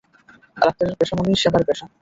ডাক্তারের পেশা মানেই সেবার পেশা।